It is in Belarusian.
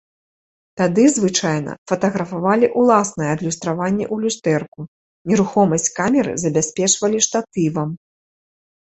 Тады, звычайна, фатаграфавалі ўласнае адлюстраванне ў люстэрку, нерухомасць камеры забяспечвалі штатывам.